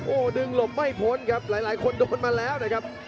โอ้โหดึงหลบไม่พ้นครับหลายคนโดนมาแล้วนะครับ